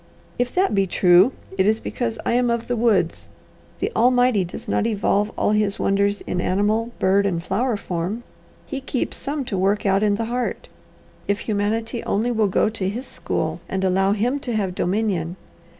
"If that be true, it is because I am of the woods. The Almighty does not evolve all his wonders in animal, bird, and flower form; He keeps some to work out in the heart, if humanity only will go to His school, and allow Him to have dominion.